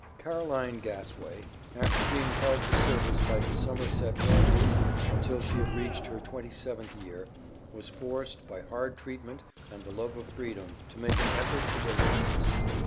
Caroline Gassway, after being held to service by Summersett Walters, until she had reached her twenty seventh year, was forced, by hard treatment and the love of freedom, to make an effort for deliverance.